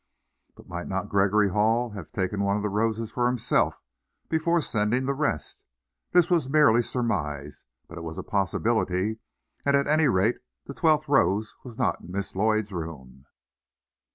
But might not Gregory Hall have taken one of the dozen for himself before sending the rest? This was merely surmise, but it was a possibility, and at any rate the twelfth rose was not in Miss Lloyd's room.